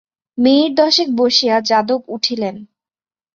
Minute দশেক বসিয়া যাদব উঠিলেন।